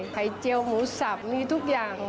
เจียวหมูสับมีทุกอย่าง